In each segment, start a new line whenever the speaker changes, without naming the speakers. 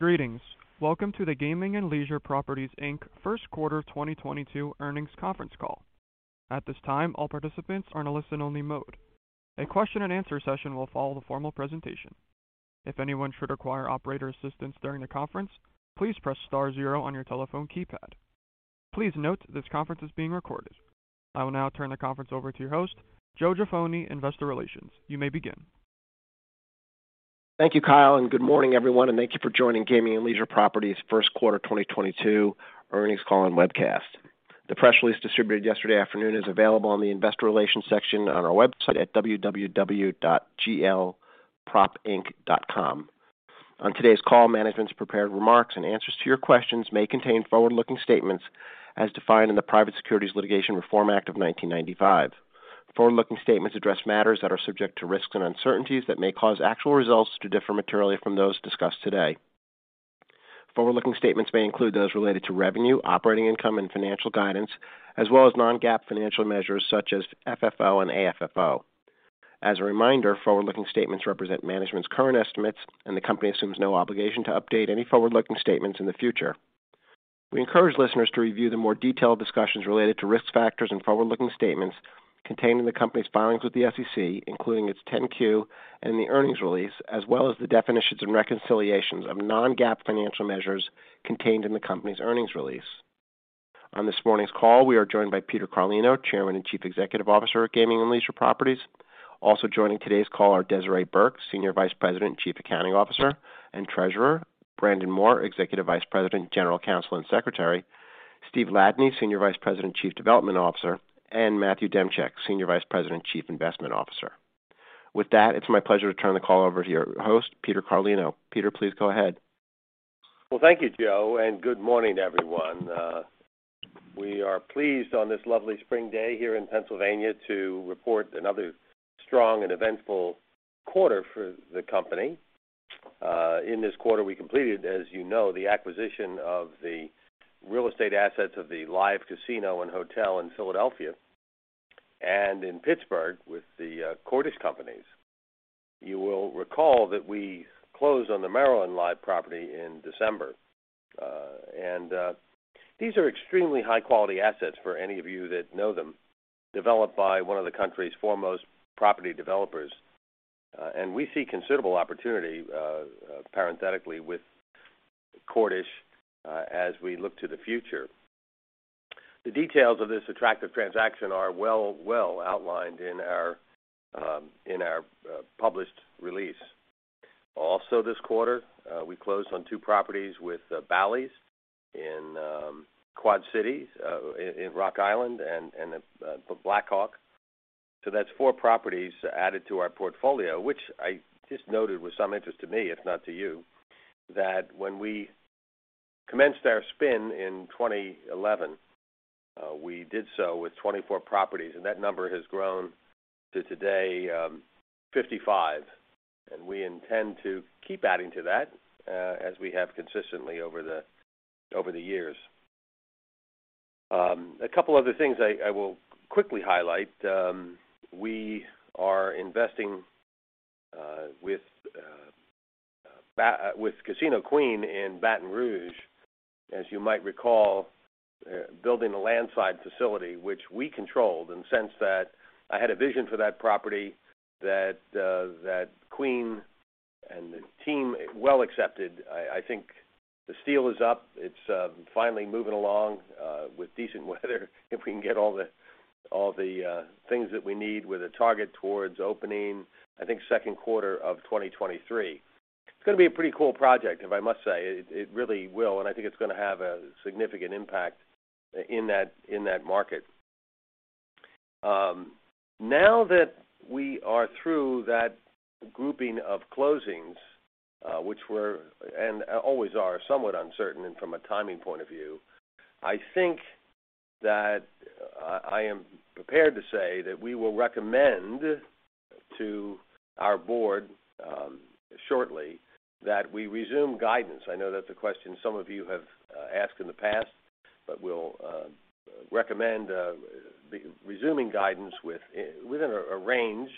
Greetings. Welcome to the Gaming and Leisure Properties, Inc. first quarter 2022 earnings conference call. At this time, all participants are in a listen-only mode. A question-and-answer session will follow the formal presentation. If anyone should require operator assistance during the conference, please press star zero on your telephone keypad. Please note this conference is being recorded. I will now turn the conference over to your host, Joe Jaffoni, Investor Relations. You may begin.
Thank you, Kyle, and good morning, everyone, and thank you for joining Gaming and Leisure Properties first quarter 2022 earnings call and webcast. The press release distributed yesterday afternoon is available on the investor relations section on our website at www.glpropinc.com. On today's call, management's prepared remarks and answers to your questions may contain forward-looking statements as defined in the Private Securities Litigation Reform Act of 1995. Forward-looking statements address matters that are subject to risks and uncertainties that may cause actual results to differ materially from those discussed today. Forward-looking statements may include those related to revenue, operating income, and financial guidance, as well as non-GAAP financial measures such as FFO and AFFO. As a reminder, forward-looking statements represent management's current estimates, and the company assumes no obligation to update any forward-looking statements in the future. We encourage listeners to review the more detailed discussions related to risk factors and forward-looking statements contained in the company's filings with the SEC, including its 10-Q and the earnings release, as well as the definitions and reconciliations of non-GAAP financial measures contained in the company's earnings release. On this morning's call, we are joined by Peter Carlino, Chairman and Chief Executive Officer of Gaming and Leisure Properties. Also joining today's call are Desiree Burke, Senior Vice President, Chief Accounting Officer, and Treasurer, Brandon Moore, Executive Vice President, General Counsel, and Secretary, Steve Ladany, Senior Vice President, Chief Development Officer, and Matthew Demchyk, Senior Vice President, Chief Investment Officer. With that, it's my pleasure to turn the call over to your host, Peter Carlino. Peter, please go ahead.
Well, thank you, Joe, and good morning, everyone. We are pleased on this lovely spring day here in Pennsylvania to report another strong and eventful quarter for the company. In this quarter, we completed, as you know, the acquisition of the real estate assets of the Live! Casino and Hotel in Philadelphia and in Pittsburgh with the Cordish Companies. You will recall that we closed on the Maryland Live! property in December. These are extremely high-quality assets for any of you that know them, developed by one of the country's foremost property developers. We see considerable opportunity, parenthetically with Cordish, as we look to the future. The details of this attractive transaction are well outlined in our published release. Also this quarter, we closed on two properties with Bally's in Quad Cities in Rock Island and Black Hawk. That's four properties added to our portfolio, which I just noted with some interest to me, if not to you, that when we commenced our spin in 2011, we did so with 24 properties, and that number has grown to today, 55. We intend to keep adding to that, as we have consistently over the years. A couple other things I will quickly highlight. We are investing with Casino Queen in Baton Rouge, as you might recall, building a landside facility which we controlled in the sense that I had a vision for that property that Queen and the team well accepted. I think the steel is up. It's finally moving along with decent weather if we can get all the things that we need with a target towards opening, I think, second quarter of 2023. It's gonna be a pretty cool project, if I must say. It really will, and I think it's gonna have a significant impact in that market. Now that we are through that grouping of closings, which were and always are somewhat uncertain and from a timing point of view, I think that I am prepared to say that we will recommend to our board shortly that we resume guidance. I know that's a question some of you have asked in the past, but we'll recommend resuming guidance within a range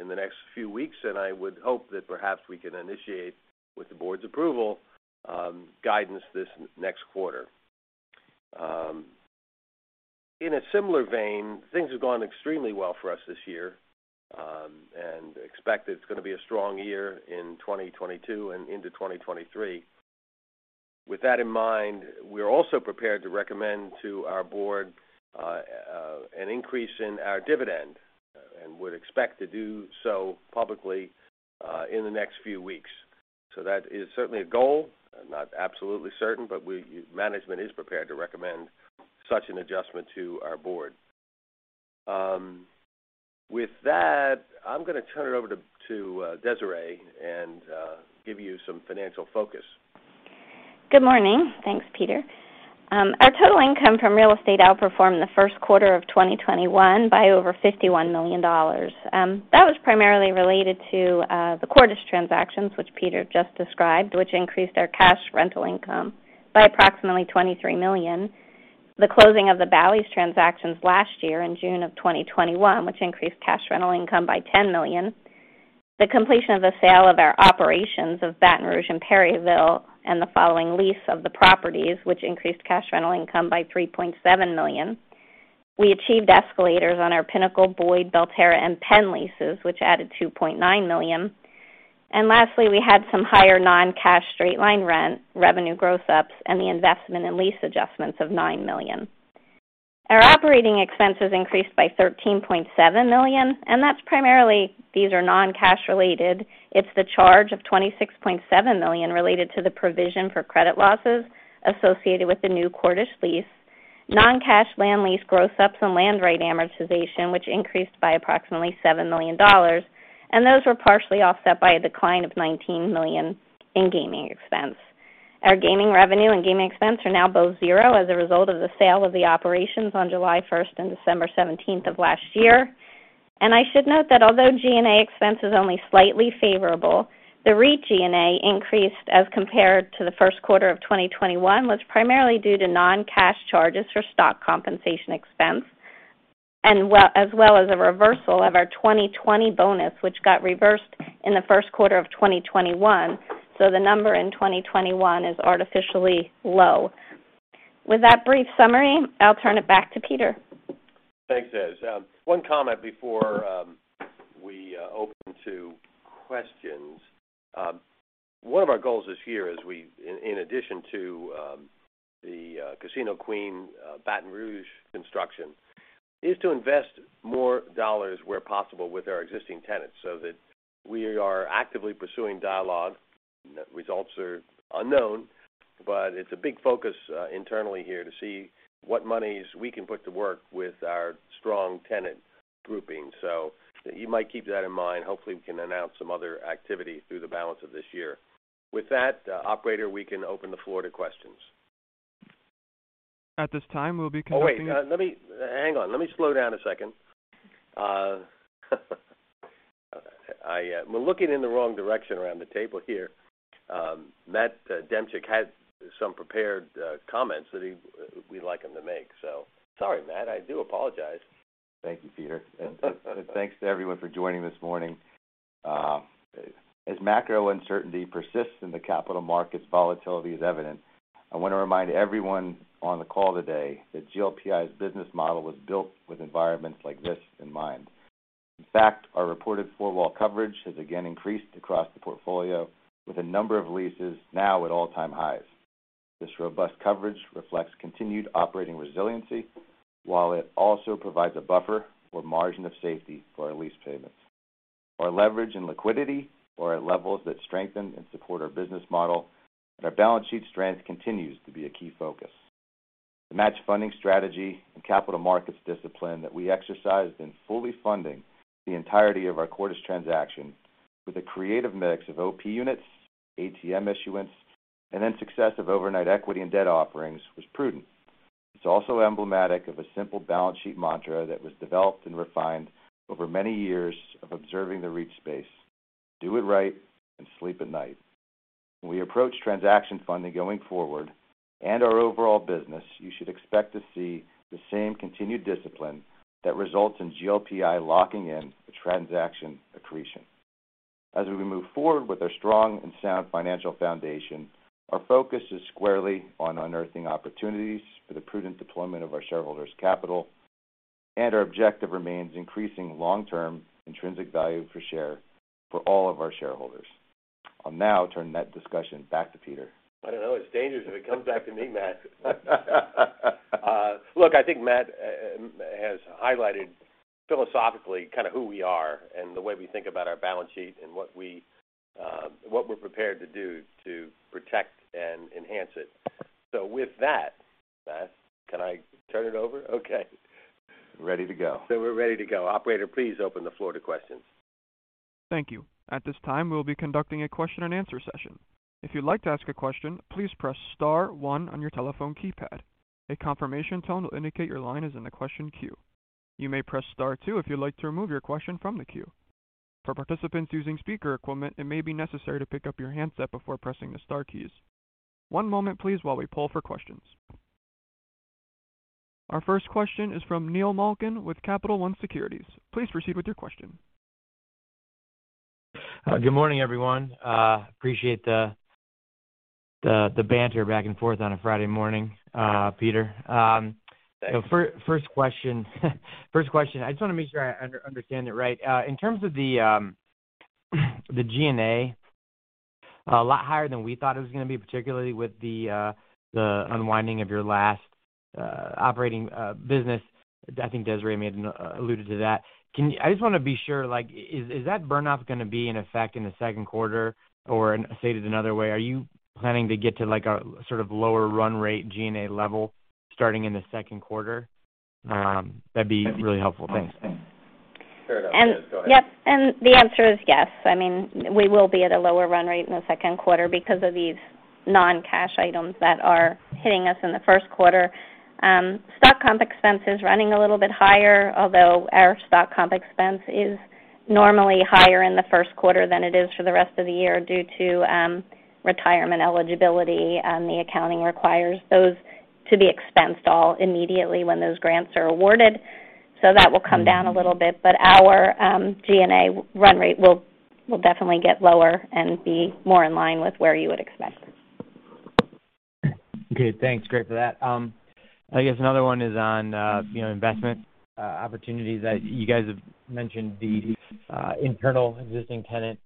in the next few weeks. I would hope that perhaps we can initiate, with the board's approval, guidance this next quarter. In a similar vein, things have gone extremely well for us this year, and we expect it's gonna be a strong year in 2022 and into 2023. With that in mind, we're also prepared to recommend to our board an increase in our dividend and would expect to do so publicly in the next few weeks. That is certainly a goal, not absolutely certain, but management is prepared to recommend such an adjustment to our board. With that, I'm gonna turn it over to Desiree and give you some financial focus.
Good morning. Thanks, Peter. Our total income from real estate outperformed the first quarter of 2021 by over $51 million. That was primarily related to the Cordish transactions, which Peter just described, which increased our cash rental income by approximately $23 million. The closing of the Bally's transactions last year in June of 2021, which increased cash rental income by $10 million. The completion of the sale of our operations of Baton Rouge and Perryville, and the following lease of the properties, which increased cash rental income by $3.7 million. We achieved escalators on our Pinnacle, Boyd, Belterra, and Penn leases, which added $2.9 million. Lastly, we had some higher non-cash straight-line rent, revenue growth ups, and the investment in lease adjustments of $9 million. Our operating expenses increased by $13.7 million, and that's primarily, these are non-cash related. It's the charge of $26.7 million related to the provision for credit losses associated with the new Cordish lease. Non-cash land lease gross ups and land right amortization, which increased by approximately $7 million, and those were partially offset by a decline of $19 million in gaming expense. Our gaming revenue and gaming expense are now both zero as a result of the sale of the operations on July 1 and December 17 of last year. I should note that although G&A expense is only slightly favorable, the REIT G&A increased as compared to the first quarter of 2021, was primarily due to non-cash charges for stock compensation expense, as well as a reversal of our 2020 bonus, which got reversed in the first quarter of 2021. The number in 2021 is artificially low. With that brief summary, I'll turn it back to Peter.
Thanks, Des. One comment before we open to questions. One of our goals this year as in addition to the Casino Queen Baton Rouge construction is to invest more dollars where possible with our existing tenants, so that we are actively pursuing dialogue. Results are unknown, but it's a big focus internally here to see what monies we can put to work with our strong tenant grouping. You might keep that in mind. Hopefully, we can announce some other activity through the balance of this year. With that, operator, we can open the floor to questions.
At this time, we'll be conducting.
Oh, wait. Let me hang on. Let me slow down a second. I'm looking in the wrong direction around the table here. Matthew Demchyk has some prepared comments we'd like him to make. Sorry, Matthew, I do apologize.
Thank you, Peter. Thanks to everyone for joining this morning. As macro uncertainty persists in the capital markets, volatility is evident. I want to remind everyone on the call today that GLPI's business model was built with environments like this in mind. In fact, our reported four-wall coverage has again increased across the portfolio, with a number of leases now at all-time highs. This robust coverage reflects continued operating resiliency, while it also provides a buffer or margin of safety for our lease payments. Our leverage and liquidity are at levels that strengthen and support our business model, and our balance sheet strength continues to be a key focus. The match funding strategy and capital markets discipline that we exercised in fully funding the entirety of our Cordish transaction with a creative mix of OP units, ATM issuance, and then success of overnight equity and debt offerings was prudent. It's also emblematic of a simple balance sheet mantra that was developed and refined over many years of observing the REIT space. Do it right and sleep at night. When we approach transaction funding going forward and our overall business, you should expect to see the same continued discipline that results in GLPI locking in the transaction accretion. As we move forward with our strong and sound financial foundation, our focus is squarely on unearthing opportunities for the prudent deployment of our shareholders' capital, and our objective remains increasing long-term intrinsic value per share for all of our shareholders. I'll now turn that discussion back to Peter.
I don't know. It's dangerous if it comes back to me, Matt. Look, I think Matt has highlighted philosophically kind of who we are and the way we think about our balance sheet and what we're prepared to do to protect and enhance it. With that, Matt, can I turn it over? Okay.
Ready to go.
We're ready to go. Operator, please open the floor to questions.
Thank you. At this time, we'll be conducting a question-and-answer session. If you'd like to ask a question, please press star one on your telephone keypad. A confirmation tone will indicate your line is in the question queue. You may press star two if you'd like to remove your question from the queue. For participants using speaker equipment, it may be necessary to pick up your handset before pressing the star keys. One moment please while we poll for questions. Our first question is from Neil Malkin with Capital One Securities. Please proceed with your question.
Good morning, everyone. Appreciate the banter back and forth on a Friday morning, Peter. First question, I just wanna make sure I understand it right. In terms of the G&A, a lot higher than we thought it was gonna be, particularly with the unwinding of your last operating business. I think Desiree may have alluded to that. Can you, I just wanna be sure, like, is that burn off gonna be in effect in the second quarter? Or stated another way, are you planning to get to, like, a sort of lower run rate G&A level starting in the second quarter? That'd be really helpful. Thanks.
Fair enough. Des, go ahead.
Yep. The answer is yes. I mean, we will be at a lower run rate in the second quarter because of these non-cash items that are hitting us in the first quarter. Stock comp expense is running a little bit higher, although our stock comp expense is normally higher in the first quarter than it is for the rest of the year due to retirement eligibility. The accounting requires those to be expensed all immediately when those grants are awarded. That will come down a little bit, but our G&A run rate will definitely get lower and be more in line with where you would expect.
Okay, thanks. Great for that. I guess another one is on you know, investment opportunities. As you guys have mentioned the internal existing tenant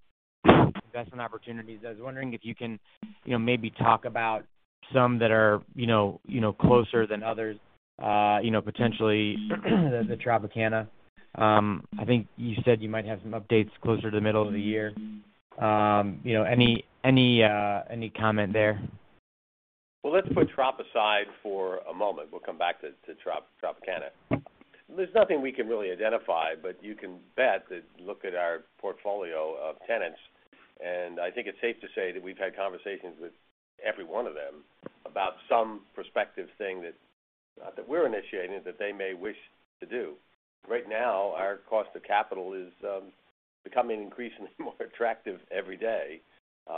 investment opportunities. I was wondering if you can you know, maybe talk about some that are you know, closer than others you know, potentially the Tropicana. I think you said you might have some updates closer to the middle of the year. You know, any comment there?
Well, let's put Trop aside for a moment. We'll come back to Tropicana. There's nothing we can really identify, but you can bet that look at our portfolio of tenants, and I think it's safe to say that we've had conversations with every one of them about some prospective thing that we're initiating that they may wish to do. Right now, our cost of capital is becoming increasingly more attractive every day.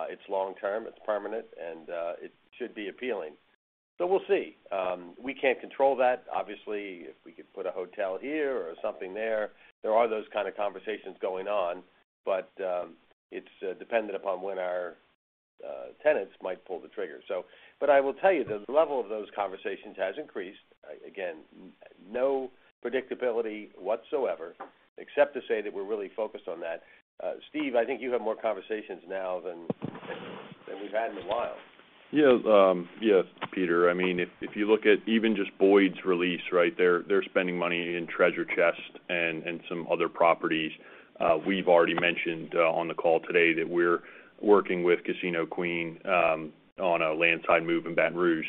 It's long term, it's permanent, and it should be appealing. We'll see. We can't control that. Obviously, if we could put a hotel here or something there are those kind of conversations going on, but it's dependent upon when our tenants might pull the trigger. I will tell you, the level of those conversations has increased. Again, no predictability whatsoever except to say that we're really focused on that. Steve, I think you have more conversations now than we've had in a while.
Yeah. Yes, Peter. I mean, if you look at even just Boyd's release, right? They're spending money in Treasure Chest and some other properties. We've already mentioned on the call today that we're working with Casino Queen on a landside move in Baton Rouge.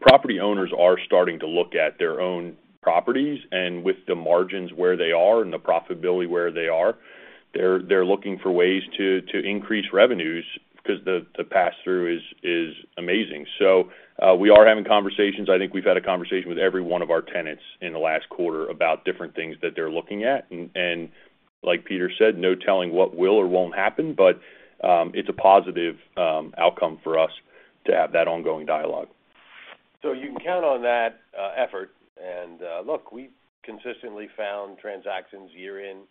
Property owners are starting to look at their own properties, and with the margins where they are and the profitability where they are, they're looking for ways to increase revenues because the pass-through is amazing. We are having conversations. I think we've had a conversation with every one of our tenants in the last quarter about different things that they're looking at. Like Peter said, no telling what will or won't happen, but it's a positive outcome for us to have that ongoing dialogue.
You can count on that effort. Look, we've consistently found transactions year in,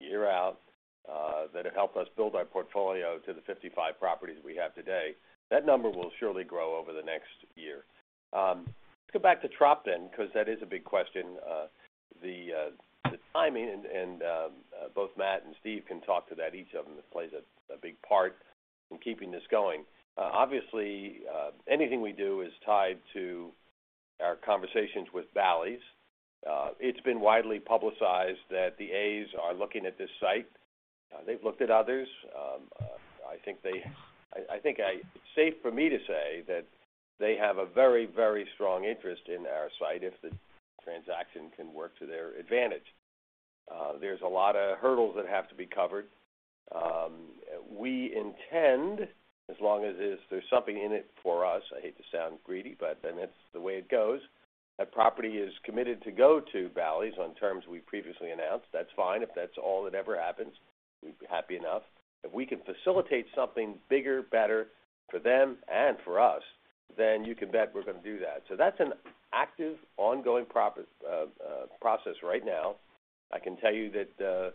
year out that have helped us build our portfolio to the 55 properties we have today. That number will surely grow over the next year. Let's go back to Trop, because that is a big question. The timing and both Matt and Steve can talk to that. Each of them has played a big part in keeping this going. Obviously, anything we do is tied to our conversations with Bally's. It's been widely publicized that the A's are looking at this site. They've looked at others. I think it's safe for me to say that they have a very strong interest in our site if the transaction can work to their advantage. There's a lot of hurdles that have to be covered. We intend, as long as there's something in it for us, I hate to sound greedy, but then it's the way it goes. That property is committed to go to Bally's on terms we previously announced. That's fine. If that's all that ever happens, we'd be happy enough. If we can facilitate something bigger, better for them and for us, then you can bet we're gonna do that. That's an active, ongoing process right now. I can tell you that,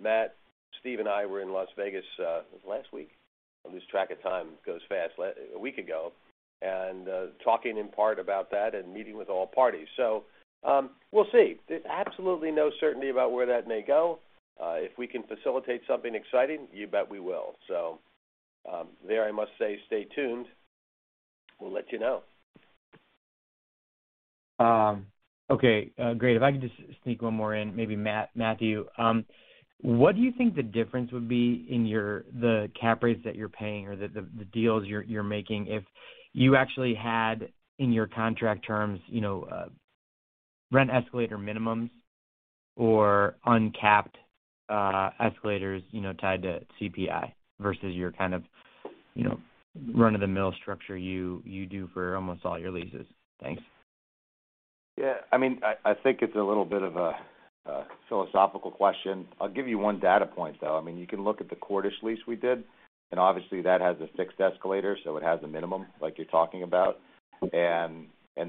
Matt, Steve, and I were in Las Vegas last week. I lose track of time. It goes fast. A week ago, and talking in part about that and meeting with all parties. We'll see. There's absolutely no certainty about where that may go. If we can facilitate something exciting, you bet we will. There, I must say, stay tuned. We'll let you know.
Okay. Great. If I could just sneak one more in, maybe Matt, Matthew. What do you think the difference would be in your cap rates that you're paying or the deals you're making if you actually had in your contract terms, you know, rent escalator minimums or uncapped escalators, you know, tied to CPI versus your kind of, you know, run-of-the-mill structure you do for almost all your leases? Thanks.
Yeah. I mean, I think it's a little bit of a philosophical question. I'll give you one data point, though. I mean, you can look at the Cordish lease we did, and obviously that has a fixed escalator, so it has a minimum like you're talking about.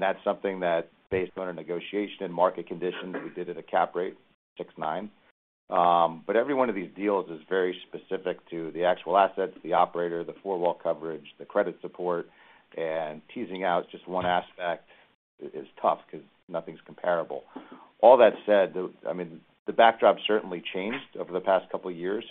That's something that based on a negotiation and market conditions, we did at a cap rate 6.9. Every one of these deals is very specific to the actual assets, the operator, the four-wall coverage, the credit support, and teasing out just one aspect is tough because nothing's comparable. All that said, I mean, the backdrop certainly changed over the past couple of years.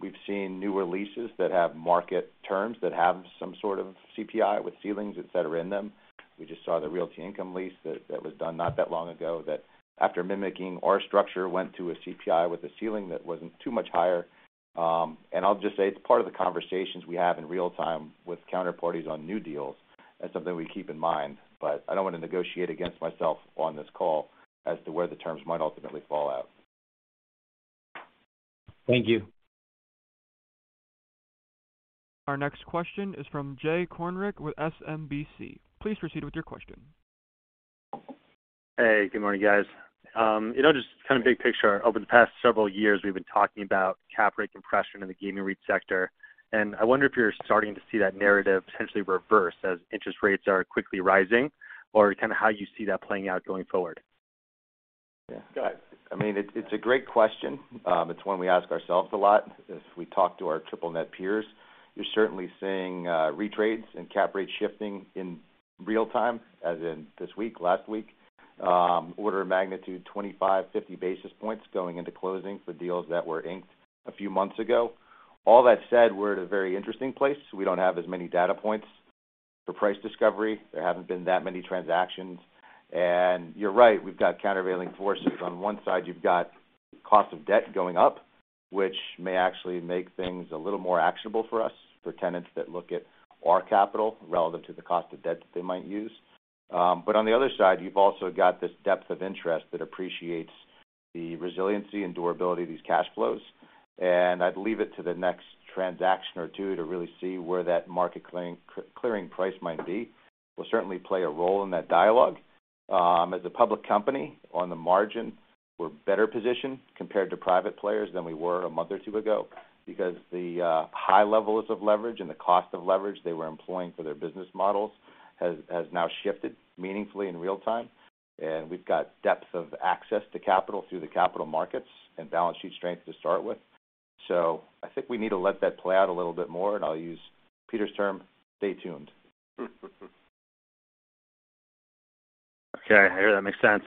We've seen newer leases that have market terms, that have some sort of CPI with ceilings, et cetera, in them. We just saw the Realty Income lease that was done not that long ago, that after mimicking our structure, went to a CPI with a ceiling that wasn't too much higher. I'll just say it's part of the conversations we have in real time with counterparties on new deals. That's something we keep in mind, but I don't want to negotiate against myself on this call as to where the terms might ultimately fall out.
Thank you.
Our next question is from Jay Kornreich with SMBC. Please proceed with your question.
Hey, good morning, guys. You know, just kind of big picture, over the past several years, we've been talking about cap rate compression in the gaming REIT sector, and I wonder if you're starting to see that narrative potentially reverse as interest rates are quickly rising, or kind of how you see that playing out going forward?
Yeah. Go ahead.
I mean, it's a great question. It's one we ask ourselves a lot as we talk to our triple net peers. You're certainly seeing retrades and cap rates shifting in real time, as in this week, last week, order of magnitude 25, 50 basis points going into closing for deals that were inked a few months ago. All that said, we're at a very interesting place. We don't have as many data points for price discovery. There haven't been that many transactions. You're right, we've got countervailing forces. On one side, you've got cost of debt going up, which may actually make things a little more actionable for us, for tenants that look at our capital relative to the cost of debt that they might use. On the other side, you've also got this depth of interest that appreciates the resiliency and durability of these cash flows. I'd leave it to the next transaction or two to really see where that market clearing price might be. We'll certainly play a role in that dialogue. As a public company, on the margin, we're better positioned compared to private players than we were a month or two ago because the high levels of leverage and the cost of leverage they were employing for their business models has now shifted meaningfully in real time. We've got depth of access to capital through the capital markets and balance sheet strength to start with. I think we need to let that play out a little bit more. I'll use Peter's term, stay tuned.
Okay. I hear that makes sense.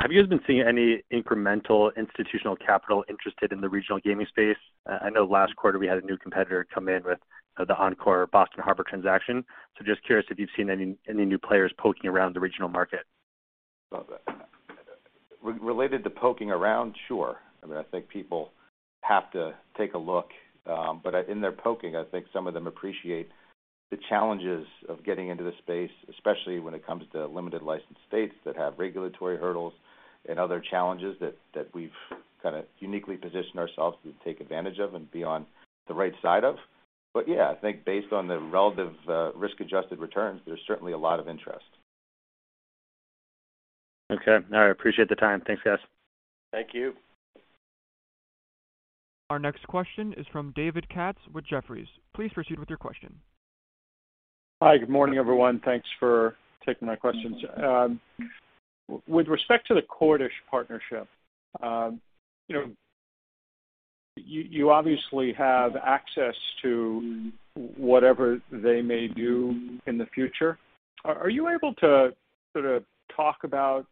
Have you guys been seeing any incremental institutional capital interested in the regional gaming space? I know last quarter we had a new competitor come in with the Encore Boston Harbor transaction. Just curious if you've seen any new players poking around the regional market.
Love that. Regarding poking around, sure. I mean, I think people have to take a look. But in their poking, I think some of them appreciate the challenges of getting into the space, especially when it comes to limited licensed states that have regulatory hurdles and other challenges that we've kinda uniquely positioned ourselves to take advantage of and be on the right side of. But yeah, I think based on the relative risk-adjusted returns, there's certainly a lot of interest.
Okay. All right. Appreciate the time. Thanks, guys.
Thank you.
Our next question is from David Katz with Jefferies. Please proceed with your question.
Hi. Good morning, everyone. Thanks for taking my questions. With respect to the Cordish partnership, you know, you obviously have access to whatever they may do in the future. Are you able to sort of talk about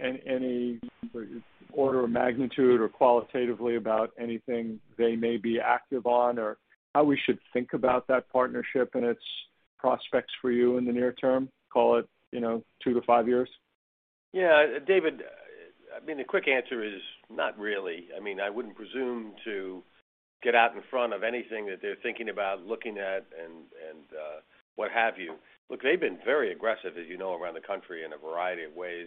any order of magnitude or qualitatively about anything they may be active on, or how we should think about that partnership and its prospects for you in the near term, call it, you know, two to five years?
Yeah, David, I mean, the quick answer is not really. I mean, I wouldn't presume to get out in front of anything that they're thinking about, looking at, and what have you. Look, they've been very aggressive, as you know, around the country in a variety of ways.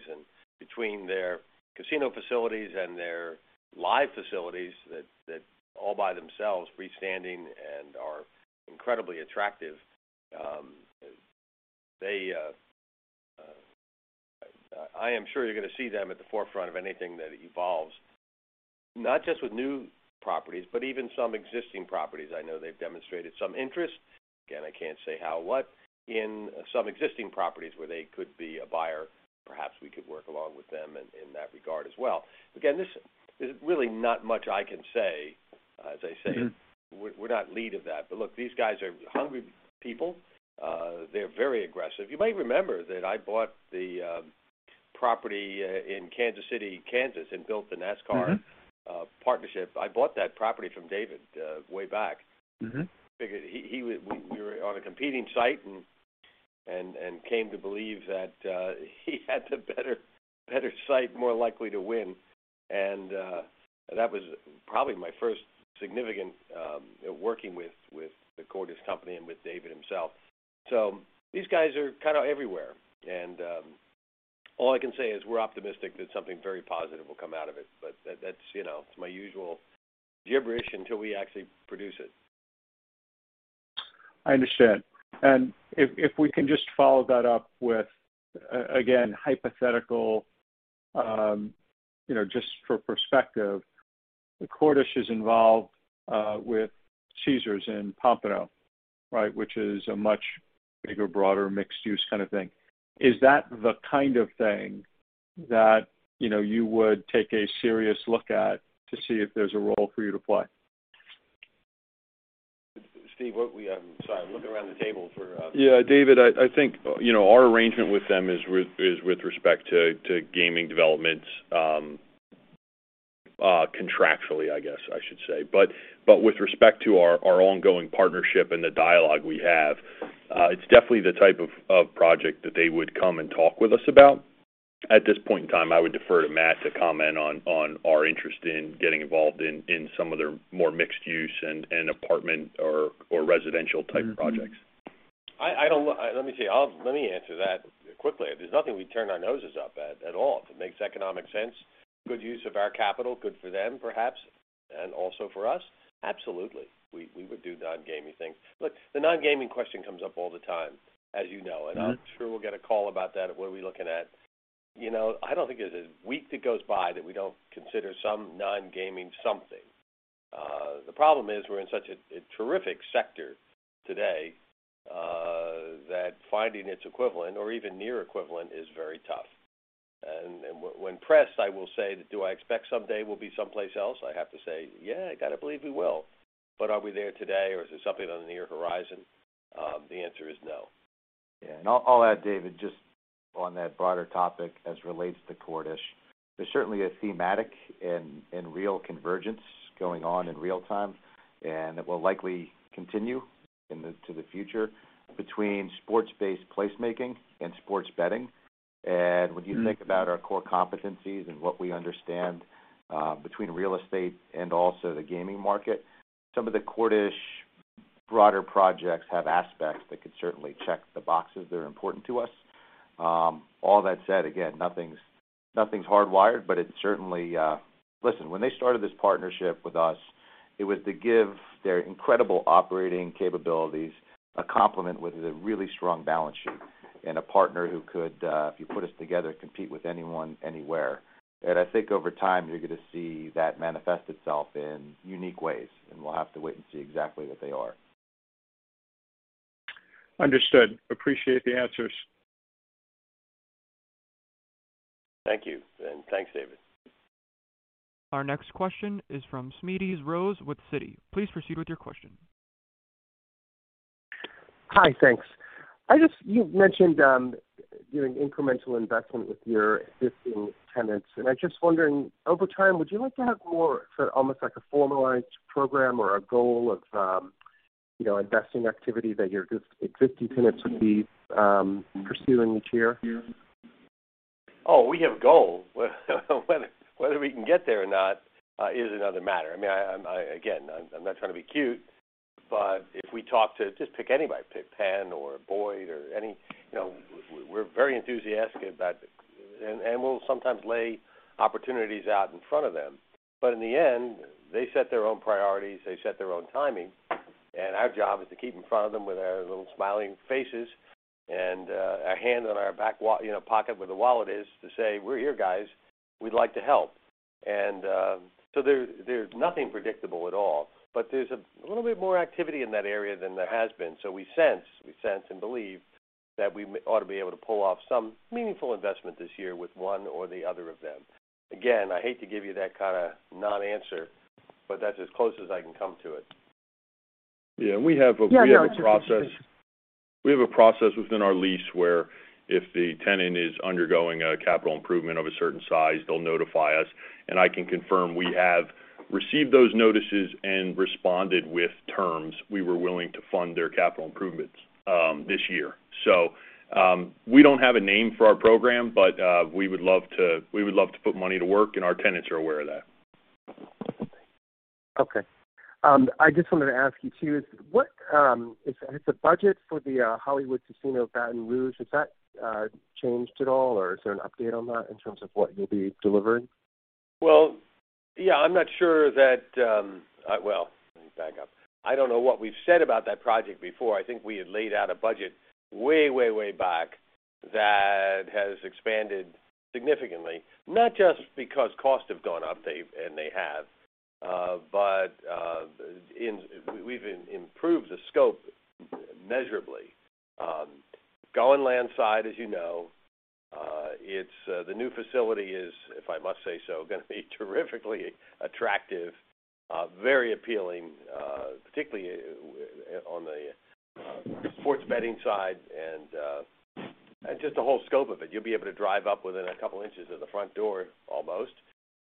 Between their casino facilities and their Live! facilities that all by themselves freestanding and are incredibly attractive, they, I am sure you're gonna see them at the forefront of anything that evolves, not just with new properties, but even some existing properties. I know they've demonstrated some interest. Again, I can't say how, what, in some existing properties where they could be a buyer, perhaps we could work along with them in that regard as well. Again, this, there's really not much I can say. As I say.
Mm-hmm
We're not ahead of that. Look, these guys are hungry people. They're very aggressive. You might remember that I bought the property in Kansas City, Kansas, and built the NASCAR-
Mm-hmm
Partnership. I bought that property from David way back.
Mm-hmm.
Figured he. We were on a competing site and came to believe that he had the better site, more likely to win. That was probably my first significant working with the Cordish Companies and with David himself. These guys are kinda everywhere, and all I can say is we're optimistic that something very positive will come out of it, but that's, you know, it's my usual gibberish until we actually produce it.
I understand. If we can just follow that up with, again, hypothetical, you know, just for perspective, Cordish is involved with Caesars in Pompano, right? Which is a much bigger, broader, mixed-use kind of thing. Is that the kind of thing that, you know, you would take a serious look at to see if there's a role for you to play?
Steve, sorry. I'm looking around the table for
Yeah, David, I think, you know, our arrangement with them is with respect to gaming development, contractually, I guess I should say. With respect to our ongoing partnership and the dialogue we have, it's definitely the type of project that they would come and talk with us about. At this point in time, I would defer to Matt to comment on our interest in getting involved in some of their more mixed use and apartment or residential type projects.
I don't know. Let me see. Let me answer that quickly. There's nothing we turn our noses up at all. If it makes economic sense, good use of our capital, good for them, perhaps, and also for us, absolutely, we would do non-gaming things. Look, the non-gaming question comes up all the time, as you know.
Mm-hmm.
I'm sure we'll get a call about that at what we're looking at. You know, I don't think there's a week that goes by that we don't consider some non-gaming something. The problem is we're in such a terrific sector today that finding its equivalent or even near equivalent is very tough. When pressed, I will say that do I expect someday we'll be someplace else? I have to say, yeah, I gotta believe we will. Are we there today or is there something on the near horizon? The answer is no.
Yeah. I'll add, David, just on that broader topic as relates to Cordish. There's certainly a thematic and real convergence going on in real time, and it will likely continue into the future between sports-based placemaking and sports betting. When you think about our core competencies and what we understand between real estate and also the gaming market, some of the Cordish broader projects have aspects that could certainly check the boxes that are important to us. All that said, again, nothing's hardwired, but it certainly. Listen, when they started this partnership with us, it was to give their incredible operating capabilities a complement with a really strong balance sheet and a partner who could, if you put us together, compete with anyone anywhere. I think over time, you're gonna see that manifest itself in unique ways, and we'll have to wait and see exactly what they are.
Understood. Appreciate the answers.
Thank you. Thanks, David.
Our next question is from Smedes Rose with Citi. Please proceed with your question.
Hi. Thanks. I just. You've mentioned doing incremental investment with your existing tenants. I'm just wondering, over time, would you like to have more almost like a formalized program or a goal of, you know, investing activity that your existing tenants would be pursuing each year?
Oh, we have goals. Whether we can get there or not is another matter. I mean. Again, I'm not trying to be cute, but if we talk to just pick anybody, pick Penn or Boyd or any, you know, we're very enthusiastic about it, and we'll sometimes lay opportunities out in front of them. In the end, they set their own priorities, they set their own timing, and our job is to keep in front of them with our little smiling faces and a hand on our back pocket where the wallet is to say, "We're here, guys. We'd like to help." There's nothing predictable at all, but there's a little bit more activity in that area than there has been. We sense and believe that we ought to be able to pull off some meaningful investment this year with one or the other of them. Again, I hate to give you that kinda non-answer, but that's as close as I can come to it.
We have a process-
Yeah, no, it's appreciated.
We have a process within our lease where if the tenant is undergoing a capital improvement of a certain size, they'll notify us, and I can confirm we have received those notices and responded with terms we were willing to fund their capital improvements this year. We don't have a name for our program, but we would love to put money to work, and our tenants are aware of that.
Okay. I just wanted to ask you, too, what has the budget for the Hollywood Casino Baton Rouge, has that changed at all, or is there an update on that in terms of what you'll be delivering?
Well, yeah, I'm not sure that. Well, let me back up. I don't know what we've said about that project before. I think we had laid out a budget way, way back that has expanded significantly, not just because costs have gone up, they've and they have, but we've improved the scope measurably. Going land side, as you know, it's the new facility is, if I must say so, gonna be terrifically attractive, very appealing, particularly on the sports betting side and just the whole scope of it. You'll be able to drive up within a couple inches of the front door almost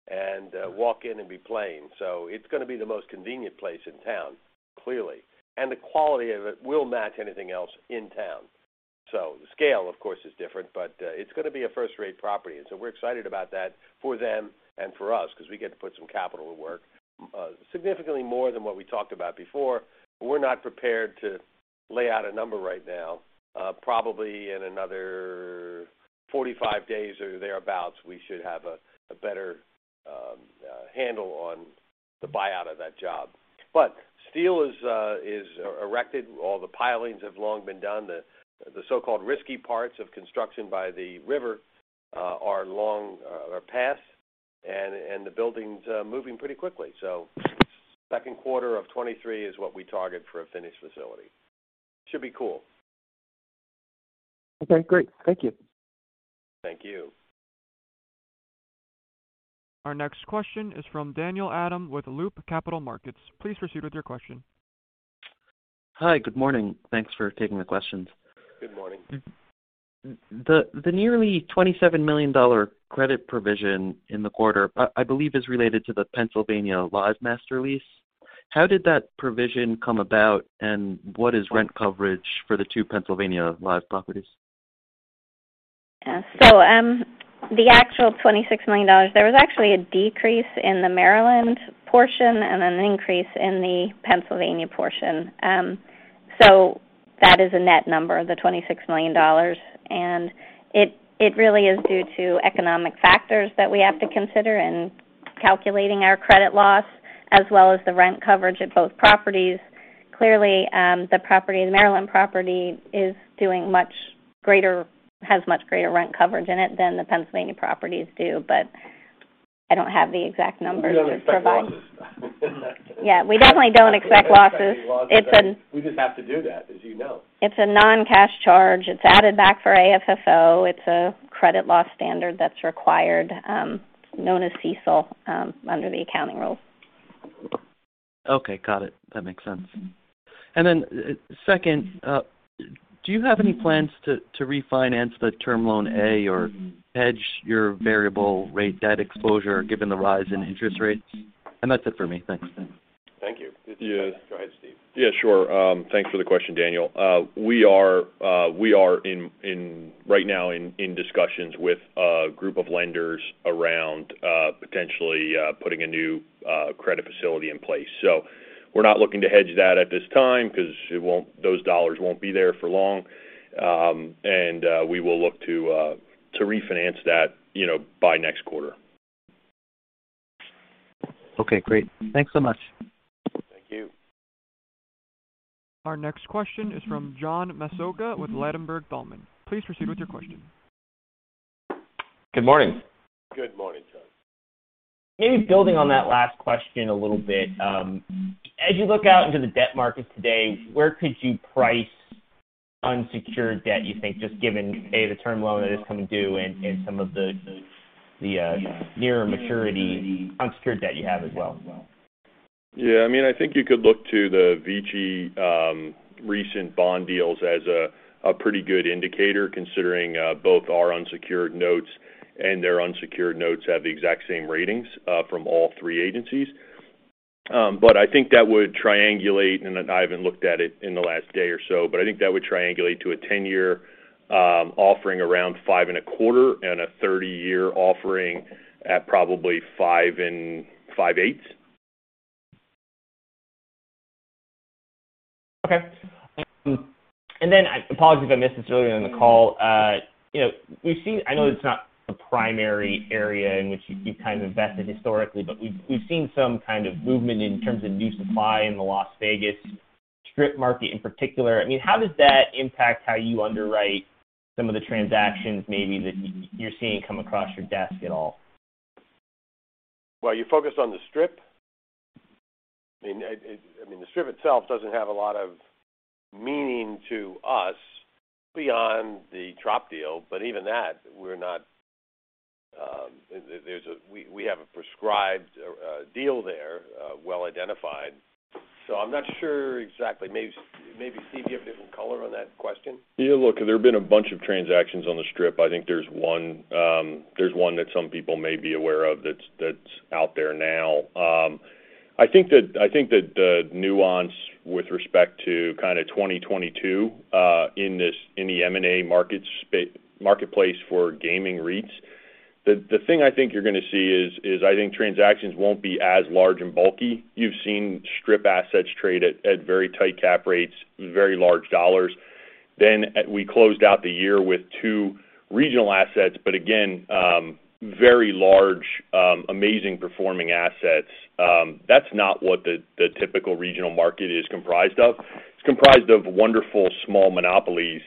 and walk in and be playing. It's gonna be the most convenient place in town, clearly. The quality of it will match anything else in town. The scale, of course, is different, but it's gonna be a first-rate property. We're excited about that for them and for us because we get to put some capital to work, significantly more than what we talked about before, but we're not prepared to lay out a number right now. Probably in another 45 days or thereabout, we should have a better handle on the buyout of that job. Steel is erected. All the pilings have long been done. The so-called risky parts of construction by the river are passed, and the building's moving pretty quickly. Second quarter of 2023 is what we target for a finished facility. Should be cool.
Okay, great. Thank you.
Thank you.
Our next question is from Daniel Adam with Loop Capital Markets. Please proceed with your question.
Hi. Good morning. Thanks for taking the questions.
Good morning.
The nearly $27 million credit provision in the quarter, I believe is related to the Pennsylvania Live Master Lease. How did that provision come about, and what is rent coverage for the two Pennsylvania Live properties?
Yeah. The actual $26 million, there was actually a decrease in the Maryland portion and an increase in the Pennsylvania portion. That is a net number, the $26 million. It really is due to economic factors that we have to consider in calculating our credit loss, as well as the rent coverage at both properties. Clearly, the property, the Maryland property has much greater rent coverage in it than the Pennsylvania properties do, but I don't have the exact numbers to provide.
We don't expect losses.
Yeah, we definitely don't expect losses. It's an
We just have to do that, as you know.
It's a non-cash charge. It's added back for AFFO. It's a credit loss standard that's required, known as CECL, under the accounting rules.
Okay, got it. That makes sense. Second, do you have any plans to refinance the Term Loan A or hedge your variable rate debt exposure given the rise in interest rates? That's it for me. Thanks.
Thank you.
Yeah.
Go ahead, Steve.
Yeah, sure. Thanks for the question, Daniel. We are in discussions right now with a group of lenders around potentially putting a new credit facility in place. We're not looking to hedge that at this time because those dollars won't be there for long. We will look to refinance that, you know, by next quarter.
Okay, great. Thanks so much.
Thank you.
Our next question is from John Massocca with Ladenburg Thalmann. Please proceed with your question.
Good morning.
Good morning, John.
Maybe building on that last question a little bit. As you look out into the debt market today, where could you price unsecured debt, you think, just given, A, the term loan that is coming due and some of the nearer maturity unsecured debt you have as well?
Yeah, I mean, I think you could look to the VICI recent bond deals as a pretty good indicator, considering both our unsecured notes and their unsecured notes have the exact same ratings from all three agencies. I think that would triangulate, and I haven't looked at it in the last day or so, but I think that would triangulate to a 10-year offering around 5.25% and a 30-year offering at probably 5,5/8%.
Okay. I apologize if I missed this earlier in the call. You know, we've seen. I know it's not the primary area in which you've kind of invested historically, but we've seen some kind of movement in terms of new supply in the Las Vegas Strip market in particular. I mean, how does that impact how you underwrite some of the transactions maybe that you're seeing come across your desk at all?
Well, you focus on the Strip. I mean, the Strip itself doesn't have a lot of meaning to us beyond the Trop deal. Even that, we're not. We have a prescribed deal there, well identified. I'm not sure exactly. Maybe, Steve, you have a different color on that question.
Yeah, look, there have been a bunch of transactions on the Strip. I think there's one that some people may be aware of that's out there now. I think that the nuance with respect to kind of 2022 in the M&A marketplace for gaming REITs, the thing I think you're gonna see is I think transactions won't be as large and bulky. You've seen Strip assets trade at very tight cap rates, very large dollars. We closed out the year with two regional assets, but again, very large, amazing performing assets. That's not what the typical regional market is comprised of. It's comprised of wonderful small monopolies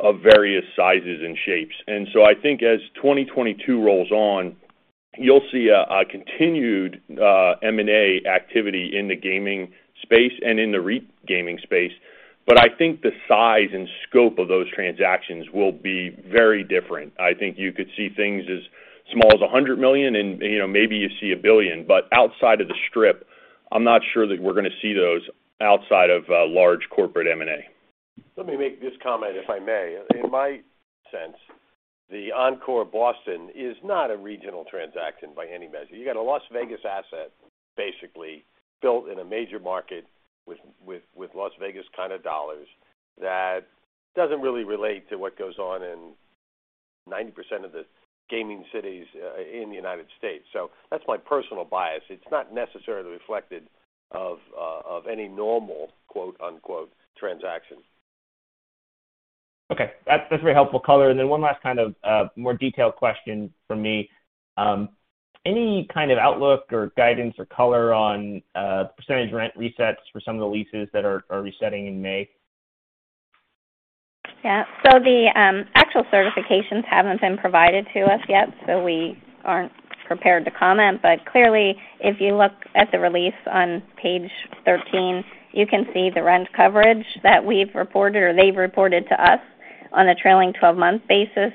of various sizes and shapes. I think as 2022 rolls on, you'll see a continued M&A activity in the gaming space and in the REIT gaming space. But I think the size and scope of those transactions will be very different. I think you could see things as small as $100 million and, you know, maybe you see a $1 billion. But outside of the Strip, I'm not sure that we're gonna see those outside of large corporate M&A.
Let me make this comment, if I may. In my sense, the Encore Boston is not a regional transaction by any measure. You got a Las Vegas asset, basically, built in a major market with Las Vegas kind of dollars that doesn't really relate to what goes on in 90% of the gaming cities in the United States. That's my personal bias. It's not necessarily reflective of any normal, quote-unquote, transaction.
Okay. That's very helpful color. Then one last kind of, more detailed question from me. Any kind of outlook or guidance or color on percentage rent resets for some of the leases that are resetting in May?
Yeah. The actual certifications haven't been provided to us yet, so we aren't prepared to comment. Clearly, if you look at the release on page 13, you can see the rent coverage that we've reported or they've reported to us on a trailing twelve-month basis.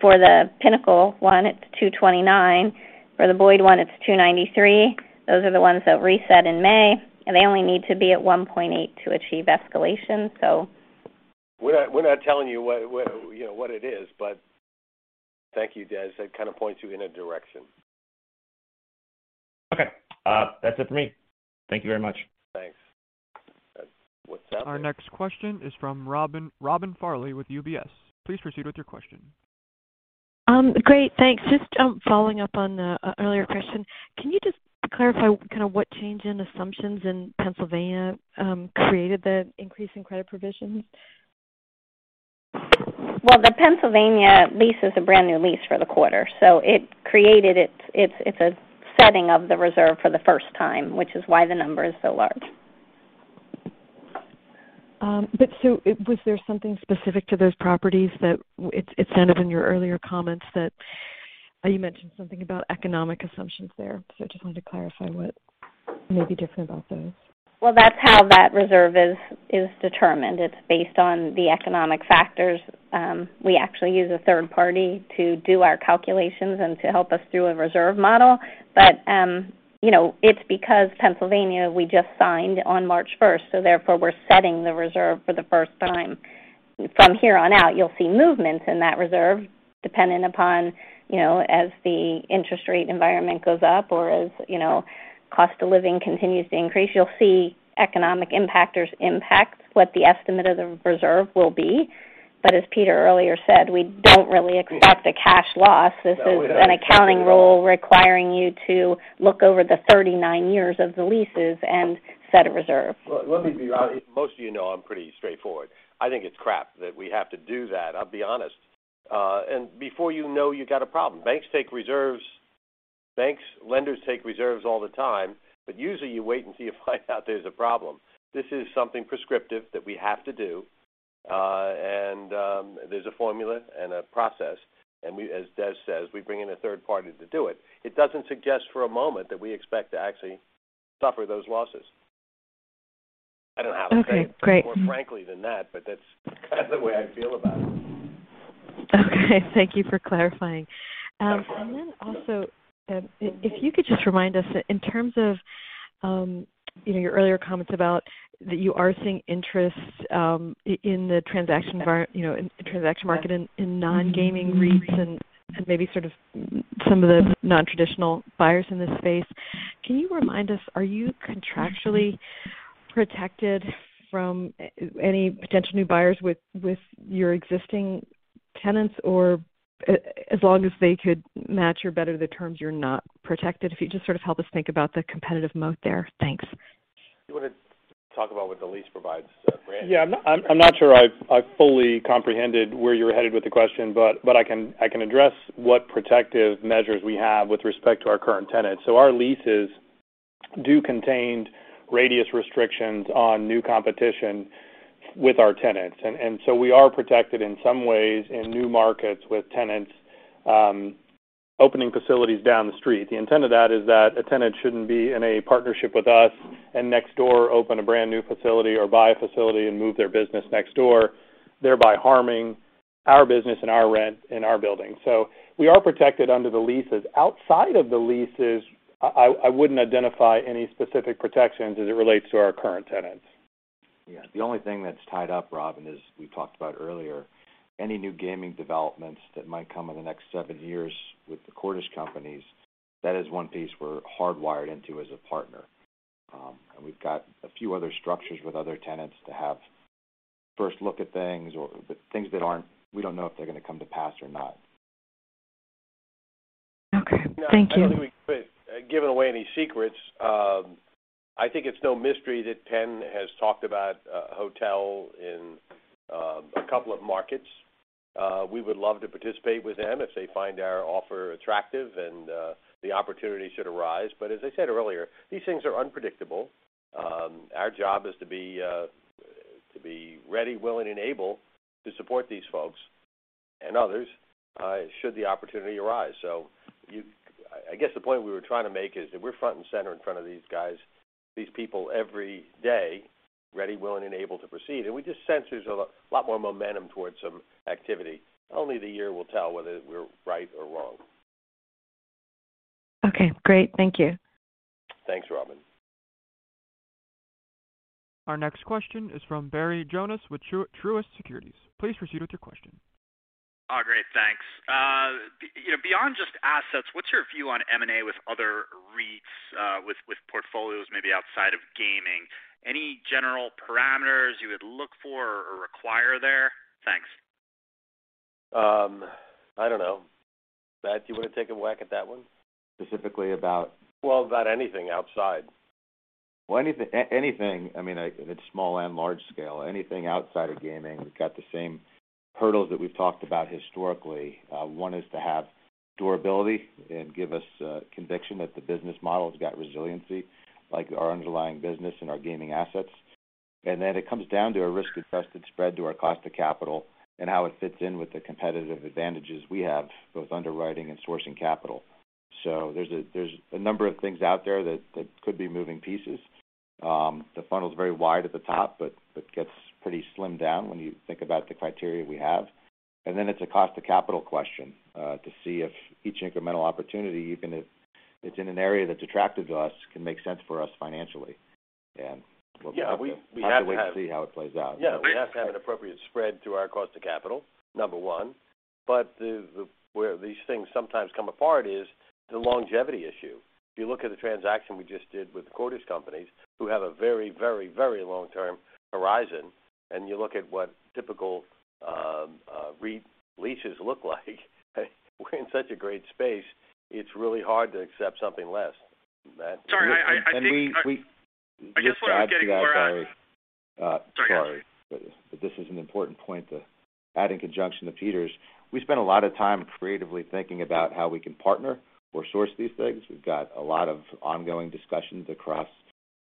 For the Pinnacle one, it's 2.29. For the Boyd one, it's 2.93. Those are the ones that reset in May, and they only need to be at 1.8 to achieve escalation.
We're not telling you what, you know, what it is, but thank you, Des. That kind of points you in a direction.
Okay. That's it for me. Thank you very much.
Our next question is from Robin Farley with UBS. Please proceed with your question.
Great, thanks. Just following up on the earlier question, can you just clarify kind of what change in assumptions in Pennsylvania created the increase in credit provisions?
Well, the Pennsylvania lease is a brand new lease for the quarter, so it created it. It's a setting of the reserve for the first time, which is why the number is so large.
Was there something specific to those properties that it sounded in your earlier comments that you mentioned something about economic assumptions there. I just wanted to clarify what may be different about those.
Well, that's how that reserve is determined. It's based on the economic factors. We actually use a third party to do our calculations and to help us through a reserve model. You know, it's because Pennsylvania, we just signed on March first, so therefore we're setting the reserve for the first time. From here on out, you'll see movements in that reserve depending upon, you know, as the interest rate environment goes up or as, you know, cost of living continues to increase, you'll see economic indicators impact what the estimate of the reserve will be. As Peter earlier said, we don't really expect a cash loss.
No, we don't.
This is an accounting rule requiring you to look over the 39 years of the leases and set a reserve.
Well, let me be honest. Most of you know I'm pretty straightforward. I think it's crap that we have to do that, I'll be honest. Before you know you've got a problem. Banks, lenders take reserves all the time, but usually you wait until you find out there's a problem. This is something prescriptive that we have to do. There's a formula and a process, and as Des says, we bring in a third party to do it. It doesn't suggest for a moment that we expect to actually suffer those losses. I don't know how to say it.
Okay, great.
More frankly than that, but that's kind of the way I feel about it.
Okay, thank you for clarifying. Then also, if you could just remind us in terms of, you know, your earlier comments about that you are seeing interest in the transaction market in non-gaming REITs and maybe sort of some of the non-traditional buyers in this space. Can you remind us, are you contractually protected from any potential new buyers with your existing tenants, or as long as they could match or better the terms, you're not protected? If you just sort of help us think about the competitive moat there. Thanks.
You wanna talk about what the lease provides, Brad?
Yeah, I'm not sure I've fully comprehended where you were headed with the question, but I can address what protective measures we have with respect to our current tenants. Our leases do contain radius restrictions on new competition with our tenants. We are protected in some ways in new markets with tenants opening facilities down the street. The intent of that is that a tenant shouldn't be in a partnership with us and next door open a brand new facility or buy a facility and move their business next door, thereby harming our business and our rent and our building. We are protected under the leases. Outside of the leases, I wouldn't identify any specific protections as it relates to our current tenants.
Yeah. The only thing that's tied up, Robin, is we talked about earlier, any new gaming developments that might come in the next seven years with the Cordish Companies, that is one piece we're hardwired into as a partner. We've got a few other structures with other tenants to have first look at things or the things that aren't, we don't know if they're gonna come to pass or not.
Okay. Thank you.
I don't think we're giving away any secrets. I think it's no mystery that Penn has talked about a hotel in a couple of markets. We would love to participate with them if they find our offer attractive and the opportunity should arise. As I said earlier, these things are unpredictable. Our job is to be ready, willing, and able to support these folks and others should the opportunity arise. I guess the point we were trying to make is that we're front and center in front of these guys, these people every day, ready, willing, and able to proceed. We just sense there's a lot more momentum towards some activity. Only the year will tell whether we're right or wrong.
Okay, great. Thank you.
Thanks, Robin.
Our next question is from Barry Jonas with Truist Securities. Please proceed with your question.
Oh, great. Thanks. You know, beyond just assets, what's your view on M&A with other REITs, with portfolios maybe outside of gaming? Any general parameters you would look for or require there? Thanks.
I don't know. Des, you wanna take a whack at that one?
Specifically about?
Well, about anything outside.
Well, anything, I mean, it's small and large scale. Anything outside of gaming, we've got the same hurdles that we've talked about historically. One is to have durability and give us conviction that the business model's got resiliency, like our underlying business and our gaming assets. Then it comes down to our risk-adjusted spread to our cost of capital and how it fits in with the competitive advantages we have, both underwriting and sourcing capital. There's a number of things out there that could be moving pieces. The funnel is very wide at the top, but gets pretty slimmed down when you think about the criteria we have. Then it's a cost of capital question to see if each incremental opportunity, even if it's in an area that's attractive to us, can make sense for us financially. And we'll have-
Yeah, we have to have.
To wait to see how it plays out.
Yeah, we have to have an appropriate spread through our cost of capital, number one. The where these things sometimes come apart is the longevity issue. If you look at the transaction we just did with the Cordish Companies, who have a very long-term horizon, and you look at what typical re-leases look like, we're in such a great space, it's really hard to accept something less. Matt?
Sorry, I think.
We
I guess what I'm getting at.
Just to add to that, sorry.
Sorry.
Sorry. This is an important point to add in conjunction to Peter's. We spend a lot of time creatively thinking about how we can partner or source these things. We've got a lot of ongoing discussions across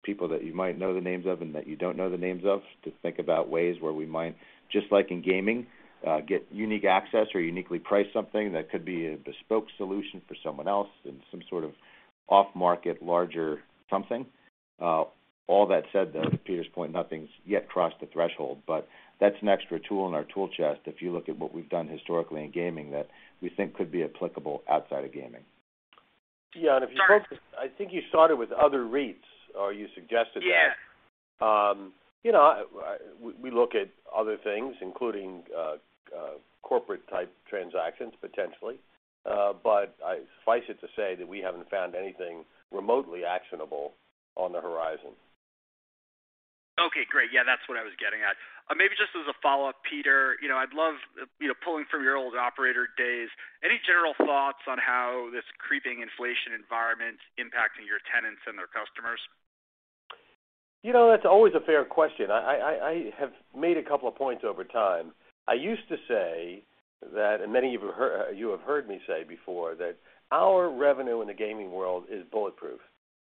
people that you might know the names of and that you don't know the names of to think about ways where we might, just like in gaming, get unique access or uniquely price something that could be a bespoke solution for someone else and some sort of off-market, larger something. All that said, though, to Peter's point, nothing's yet crossed the threshold. That's an extra tool in our tool chest, if you look at what we've done historically in gaming that we think could be applicable outside of gaming.
Yeah. If you focus, I think you started with other REITs, or you suggested that.
Yeah.
You know, we look at other things, including corporate-type transactions, potentially. Suffice it to say that we haven't found anything remotely actionable on the horizon.
Okay, great. Yeah, that's what I was getting at. Maybe just as a follow-up, Peter, you know, I'd love, you know, pulling from your old operator days, any general thoughts on how this creeping inflation environment's impacting your tenants and their customers?
You know, that's always a fair question. I have made a couple of points over time. I used to say that, and many of you have heard me say before, that our revenue in the gaming world is bulletproof.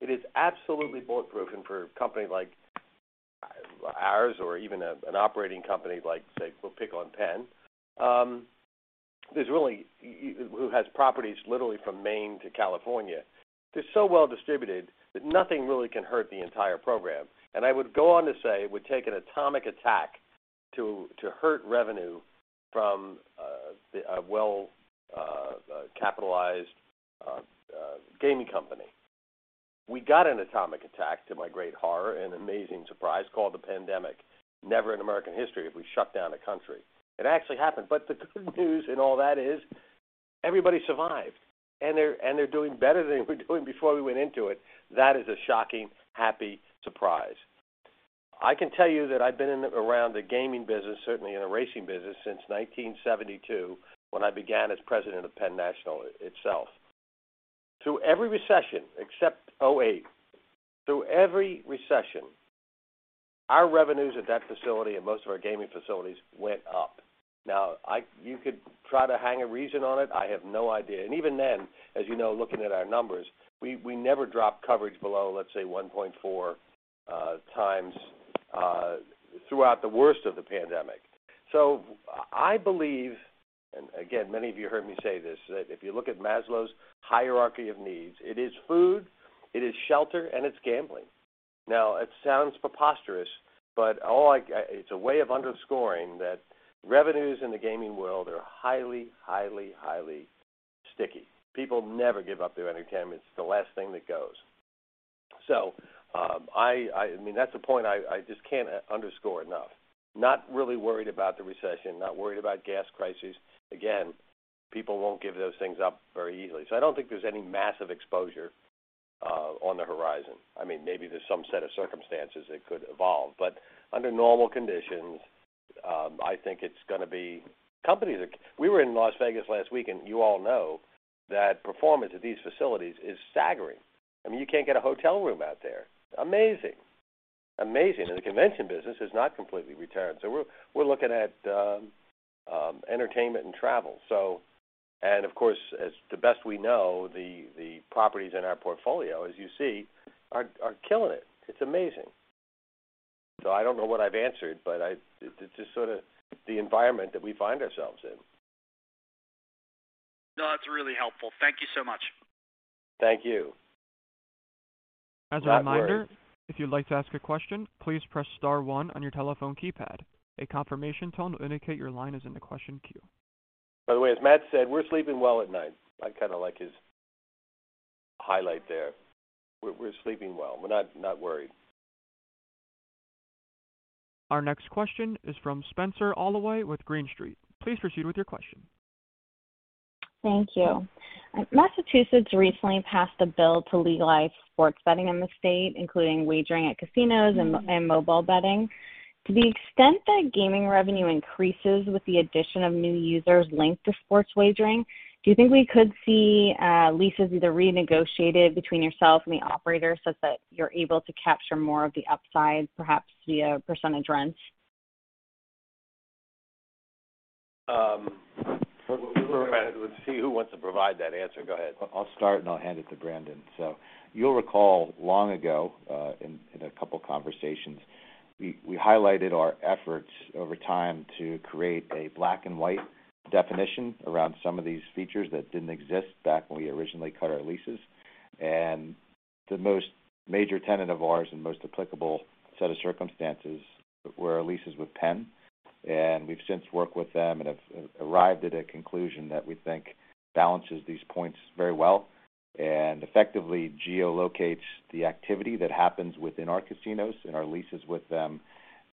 It is absolutely bulletproof. For a company like ours or even an operating company like, say, we'll pick on Penn, who has properties literally from Maine to California. They're so well distributed that nothing really can hurt the entire program. I would go on to say it would take an atomic attack to hurt revenue from a well capitalized gaming company. We got an atomic attack, to my great horror and amazing surprise, called the pandemic. Never in American history have we shut down a country. It actually happened. The good news in all that is everybody survived, and they're doing better than we were doing before we went into it. That is a shocking, happy surprise. I can tell you that I've been around the gaming business, certainly in the racing business since 1972 when I began as president of Penn National Gaming itself. Through every recession, except 2008, our revenues at that facility and most of our gaming facilities went up. Now, you could try to hang a reason on it. I have no idea. Even then, as you know, looking at our numbers, we never dropped coverage below, let's say, 1.4x, throughout the worst of the pandemic. I believe, and again, many of you heard me say this, that if you look at Maslow's hierarchy of needs, it is food, it is shelter, and it's gambling. Now it sounds preposterous, but it's a way of underscoring that revenues in the gaming world are highly sticky. People never give up their entertainment. It's the last thing that goes. I mean, that's a point I just can't underscore enough. Not really worried about the recession, not worried about gas prices. Again, people won't give those things up very easily. I don't think there's any massive exposure on the horizon. I mean, maybe there's some set of circumstances that could evolve, but under normal conditions, I think it's gonna be. We were in Las Vegas last week, and you all know that performance at these facilities is staggering. I mean, you can't get a hotel room out there. Amazing. The convention business has not completely returned. We're looking at entertainment and travel. Of course, as best we know, the properties in our portfolio, as you see, are killing it. It's amazing. I don't know what I've answered, but it's just sort of the environment that we find ourselves in.
No, that's really helpful. Thank you so much.
Thank you.
Not worried.
As a reminder, if you'd like to ask a question, please press star one on your telephone keypad. A confirmation tone will indicate your line is in the question queue.
By the way, as Matt said, we're sleeping well at night. I kinda like his highlight there. We're sleeping well. We're not worried.
Our next question is from Spenser Allaway with Green Street. Please proceed with your question.
Thank you. Massachusetts recently passed a bill to legalize sports betting in the state, including wagering at casinos and mobile betting. To the extent that gaming revenue increases with the addition of new users linked to sports wagering, do you think we could see leases either renegotiated between yourself and the operator such that you're able to capture more of the upside, perhaps via percentage rents?
We'll see who wants to provide that answer. Go ahead.
I'll start, and I'll hand it to Brandon. You'll recall long ago, in a couple conversations, we highlighted our efforts over time to create a black and white definition around some of these features that didn't exist back when we originally cut our leases. The most major tenant of ours and most applicable set of circumstances were our leases with Penn. We've since worked with them and have arrived at a conclusion that we think balances these points very well. Effectively geolocates the activity that happens within our casinos and our leases with them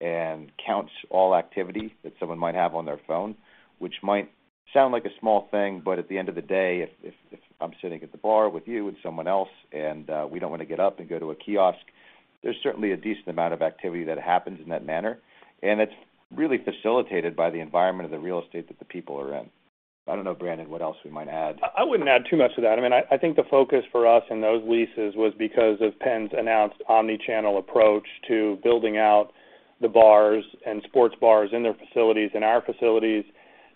and counts all activity that someone might have on their phone, which might sound like a small thing, but at the end of the day, if I'm sitting at the bar with you and someone else and we don't wanna get up and go to a kiosk, there's certainly a decent amount of activity that happens in that manner, and it's really facilitated by the environment of the real estate that the people are in. I don't know, Brandon, what else we might add.
I wouldn't add too much to that. I mean, I think the focus for us in those leases was because of Penn's announced omni-channel approach to building out the bars and sports bars in their facilities and our facilities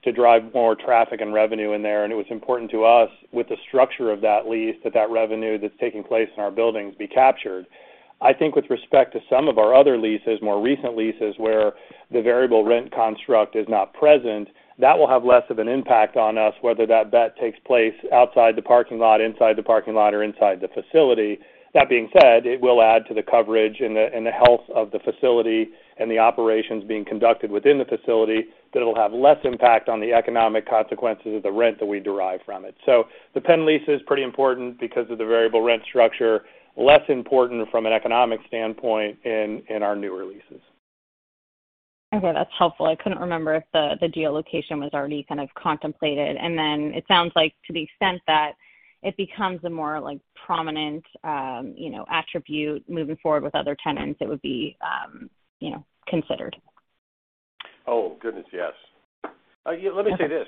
to drive more traffic and revenue in there. It was important to us with the structure of that lease that that revenue that's taking place in our buildings be captured. I think with respect to some of our other leases, more recent leases, where the variable rent construct is not present, that will have less of an impact on us, whether that bet takes place outside the parking lot, inside the parking lot, or inside the facility. That being said, it will add to the coverage and the health of the facility and the operations being conducted within the facility, but it'll have less impact on the economic consequences of the rent that we derive from it. The Penn lease is pretty important because of the variable rent structure. Less important from an economic standpoint in our newer leases.
Okay, that's helpful. I couldn't remember if the geolocation was already kind of contemplated. Then it sounds like to the extent that it becomes a more like prominent, you know, attribute moving forward with other tenants, it would be, you know, considered.
Oh, goodness, yes. Yeah, let me say this.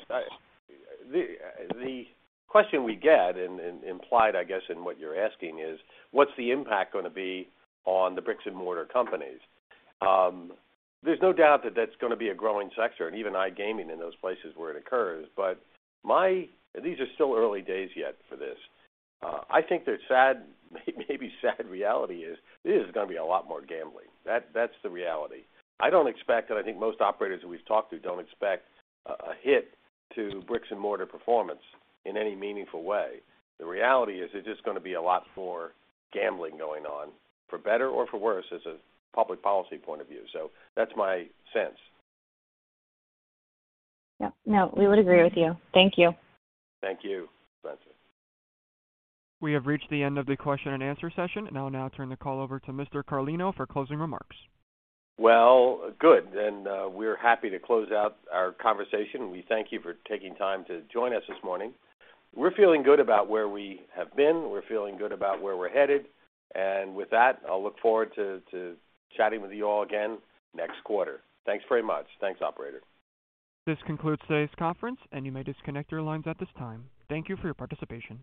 The question we get and implied I guess in what you're asking is what's the impact gonna be on the bricks and mortar companies? There's no doubt that that's gonna be a growing sector and even iGaming in those places where it occurs. These are still early days yet for this. I think the sad reality is this is gonna be a lot more gambling. That's the reality. I don't expect, and I think most operators who we've talked to don't expect a hit to bricks and mortar performance in any meaningful way. The reality is it's just gonna be a lot more gambling going on, for better or for worse, as a public policy point of view. That's my sense.
Yeah. No, we would agree with you. Thank you.
Thank you, Spenser.
We have reached the end of the question and answer session. I will now turn the call over to Mr. Carlino for closing remarks.
Well, good. We're happy to close out our conversation. We thank you for taking time to join us this morning. We're feeling good about where we have been. We're feeling good about where we're headed. With that, I'll look forward to chatting with you all again next quarter. Thanks very much. Thanks, operator.
This concludes today's conference, and you may disconnect your lines at this time. Thank you for your participation.